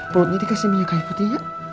perutnya dikasih minyak kaya putihnya